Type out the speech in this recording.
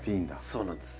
そうなんです。